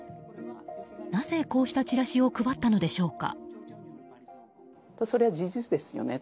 なぜ、こうしたチラシを配ったのでしょうか。